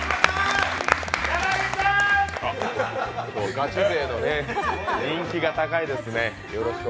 ガチ勢の人気が高いですね。